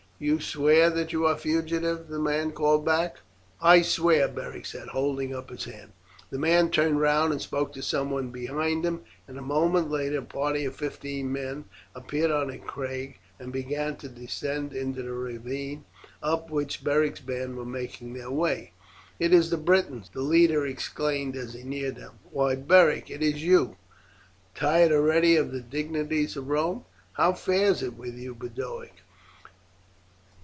"You swear that you are fugitives," the man called back. "I swear," Beric said, holding up his hand. The man turned round and spoke to someone behind him, and a moment later a party of fifteen men appeared on the crag and began to descend into the ravine up which Beric's band were making their way. "It is the Britons," the leader exclaimed as he neared them. "Why, Beric, is it you, tired already of the dignities of Rome? How fares it with you, Boduoc?"